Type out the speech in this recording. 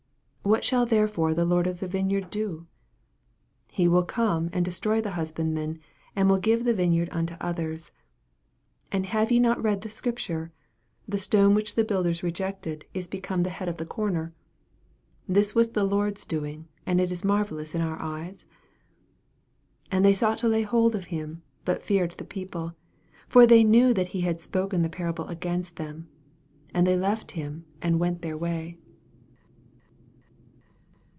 9 What shall therefore the lord of the vineyard do? he will come and destroy the husbandmen, and will give the vineyard unto others. 10 And have ye not read this Scrip ture ; The stone which the builders rejected is become the head of the corner : 11 This was the Lord's doing, and it is marvellous in our eyos ? 12 And they sought to lay hold on him, but feared the people : for they knew that he had spoken the pacable against them : and they left himj and went their way.